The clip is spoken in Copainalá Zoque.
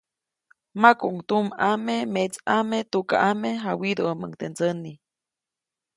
Makuʼuŋ tumʼame, metsʼame, tukaʼame, jawyiduʼämuŋ teʼ ndsäni.